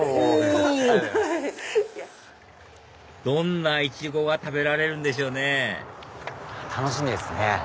どんなイチゴが食べられるんでしょうね楽しみですね。